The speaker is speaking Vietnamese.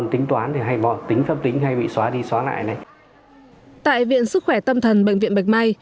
tại viện sức khỏe tâm thần bệnh viện bạch mai